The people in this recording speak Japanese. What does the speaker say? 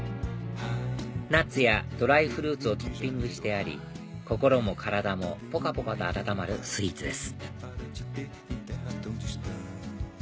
ナッツやドライフルーツをトッピングしてあり心も体もぽかぽかと温まるスイーツです